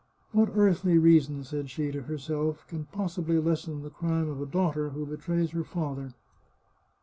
" What earthly reason," said she to herself, " can possi bly lessen the crime of a daughter who betrays her father